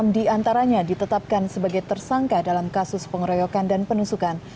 enam diantaranya ditetapkan sebagai tersangka dalam kasus pengeroyokan dan penusukan